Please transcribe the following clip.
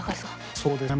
そうですよね。